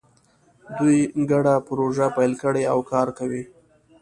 دوی ګډه پروژه پیل کړې او کار کوي